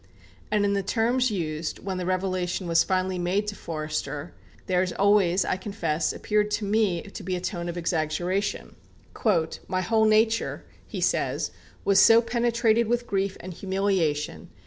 And in the terms used, when the revelation was finally made to Forster, there has always, I confess, appeared to me to be a tone of exaggeration. "My whole nature," he says, "was so penetrated with grief and humiliation